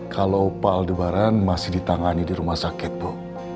kalau pak aldebaran masih ditangani di rumah sakit bu